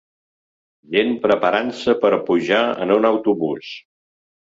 Gent preparant-se per pujar en un autobús